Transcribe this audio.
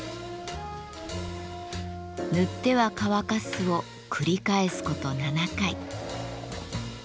塗っては乾かすを繰り返すこと７回。